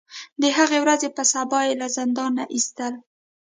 د هغې ورځې په سبا یې له زندان نه ایستل.